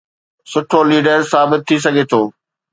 سٺو ليڊر ثابت ٿي سگهي ٿو؟